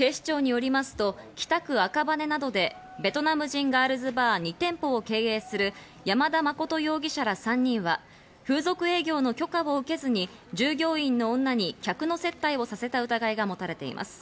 警視庁によりますと、北区・赤羽などでベトナム人ガールズバー２店舗を経営する山田誠容疑者ら３人は風俗営業の許可を受けずに従業員の女に客の接待をさせた疑いが持たれています。